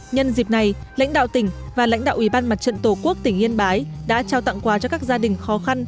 nhân dịp này lãnh đạo tỉnh và lãnh đạo ủy ban mặt trận tổ quốc tỉnh yên bái đã trao tặng quà cho các gia đình khó khăn